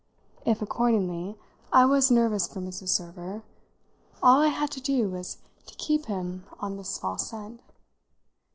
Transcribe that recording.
If, accordingly, I was nervous for Mrs. Server, all I had to do was to keep him on this false scent.